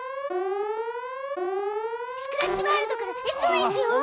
スクラッチワールドからＳＯＳよ！